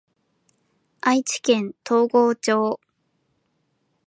愛知県東郷町